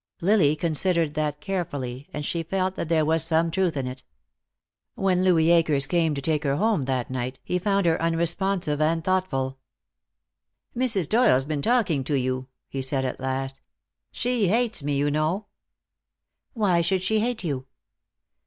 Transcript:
Lily considered that carefully, and she felt that there was some truth in it. When Louis Akers came to take her home that night he found her unresponsive and thoughtful. "Mrs. Doyle's been talking to you," he said at last. "She hates me, you know." "Why should she hate you?"